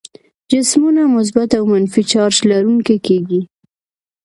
جسمونه مثبت او منفي چارج لرونکي کیږي.